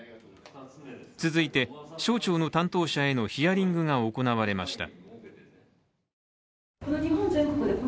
続いて、省庁の担当者へのヒアリングが行われました。